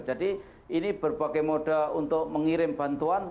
jadi ini berbagai modal untuk mengirim bantuan